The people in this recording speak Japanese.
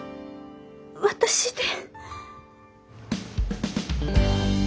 私で。